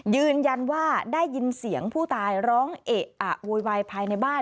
ยืนยันว่าได้ยินเสียงผู้ตายร้องเอะอะโวยวายภายในบ้าน